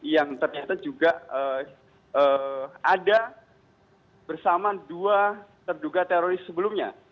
yang ternyata juga ada bersama dua terduga teroris sebelumnya